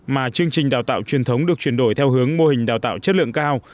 mà chương trình đào tạo truyền thống được chuyển đổi theo hướng mô hình đào tạo chất lượng cao